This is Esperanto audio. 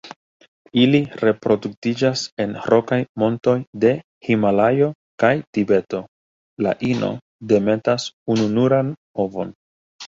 Ili reproduktiĝas en rokaj montoj de Himalajo kaj Tibeto; la ino demetas ununuran ovon.